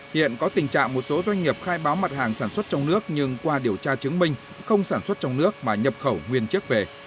hiện có tình trạng một số doanh nghiệp khai báo mặt hàng sản xuất trong nước nhưng qua điều tra chứng minh không sản xuất trong nước mà nhập khẩu nguyên chiếc về